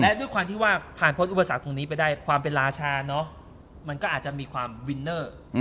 และด้วยความที่ว่าผ่านพ้นอุปสรรคตรงนี้ไปได้ความเป็นราชามันก็อาจจะมีความวินเนอร์